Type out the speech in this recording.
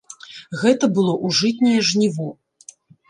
Гэта было ў жытняе жніво.